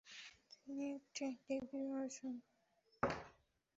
তিনি একটি ডিগ্রি অর্জন করেন।